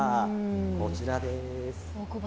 こちらです。